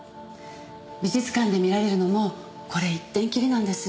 美術館で見られるのもこれ一点きりなんです。